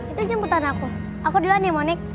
itu jemputan aku aku duluan yang monik